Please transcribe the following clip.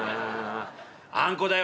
「あんこだよ」。